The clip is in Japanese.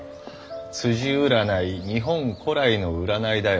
辻占い日本古来の占いだよ。